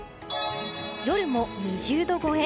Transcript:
夜も２０度超え。